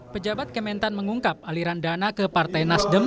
pejabat kementan mengungkap aliran dana ke partai nasdem